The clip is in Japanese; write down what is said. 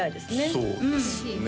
そうですね